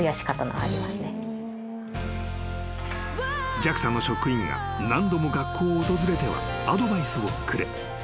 ［ＪＡＸＡの職員が何度も学校を訪れてはアドバイスをくれ］